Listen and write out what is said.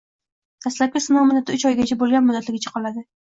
dastlabki sinov muddati uch oygacha bo‘lgan muddatligicha qoladi.